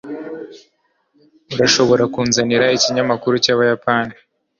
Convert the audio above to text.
Urashobora kunzanira ikinyamakuru cyabayapani?